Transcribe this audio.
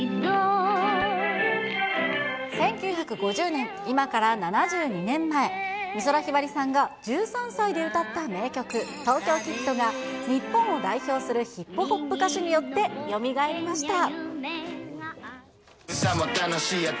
１９５０年、今から７２年前、美空ひばりさんが１３歳で歌った名曲、東京キッドが、日本を代表するヒップホップ歌手によってよみがえりました。